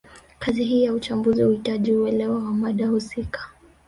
Kazi hii ya uchambuzi huhitaji uelewa wa mada husika